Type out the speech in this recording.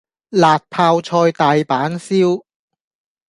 辣泡菜大阪燒